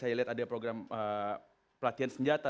saya lihat ada program pelatihan senjata